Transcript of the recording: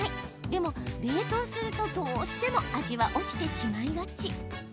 でも冷凍すると、どうしても味は落ちてしまいがち。